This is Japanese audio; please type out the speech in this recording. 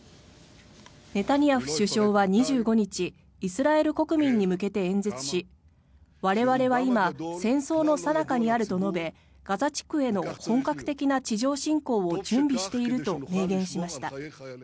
ネタニヤフ首相は２５日イスラエル国民に向けて演説し我々は今戦争のさなかにあると述べガザ地区への本格的な地上侵攻を準備していると明言しました。